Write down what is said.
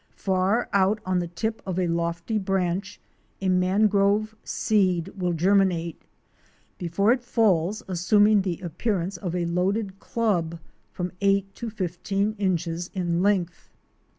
Far out on the tip of a lofty branch a mangrove seed will germinate, before it falls assuming the appearance of a loaded club from eight to fifteen inches in length.